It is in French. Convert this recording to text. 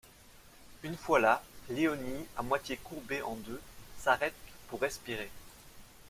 Une fois là, Léonie, à moitié courbée en deux, s’arrête pour respirer.